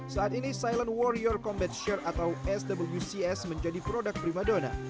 saat ini silent warrior combatsure atau swcs menjadi produk prima dona